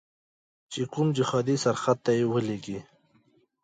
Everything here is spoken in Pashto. چې کوم جهادي سرحد ته یې ولیږي.